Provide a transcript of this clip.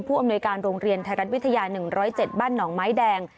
อำนวยการโรงเรียนไทยรัฐวิทยา๑๐๗บ้านหนองไม้แดง